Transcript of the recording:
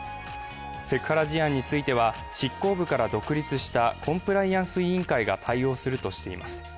セクハラ事案については、執行部から独立したコンプライアンス委員会が対応するとしています。